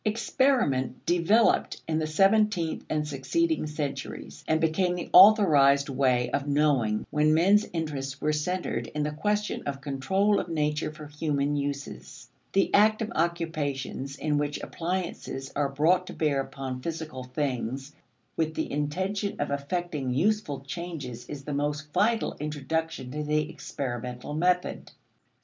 Experiment developed in the seventeenth and succeeding centuries and became the authorized way of knowing when men's interests were centered in the question of control of nature for human uses. The active occupations in which appliances are brought to bear upon physical things with the intention of effecting useful changes is the most vital introduction to the experimental method. 3.